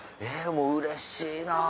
もううれしいな。